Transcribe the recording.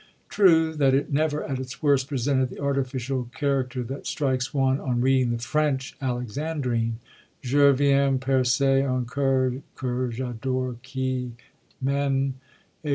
True, that it never, at its worst, presented the artificial charac ter that strikes one on reading the French Alexandrine :" Je vienn percer im cosnr que j'adore, qui m'alme.